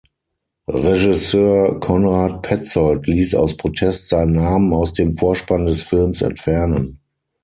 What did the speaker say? Regisseur Konrad Petzold ließ aus Protest seinen Namen aus dem Vorspann des Films entfernen.